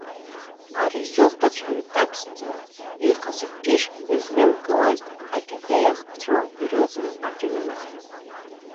Ари зыхәда цәҳәынтаԥсӡа иҟаз акәҷышь иазнымкылазт акьатеиах ԥҵәо ирылҵны аҿынанахеит.